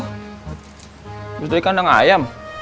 abis dari kandang ayam